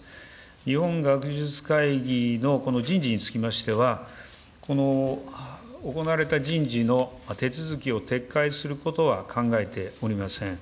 日本学術会議の人事につきましては、この行われた人事の手続きを撤回することは考えておりません。